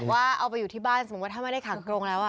ว่าเอาไปอยู่ที่บ้านสมมุติว่าถ้าไม่ได้ขังกรงแล้ว